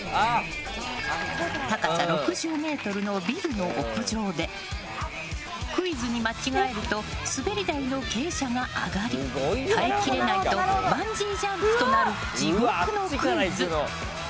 高さ６０ｍのビルの屋上でクイズに間違えるとすべり台の傾斜が上がり耐えきれないとバンジージャンプとなる地獄のクイズ。